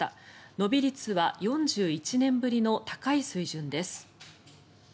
伸び率は４１年ぶりの高い水準です。